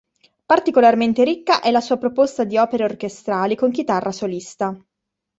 Particolarmente ricca è la sua proposta di opere orchestrali con chitarra solista.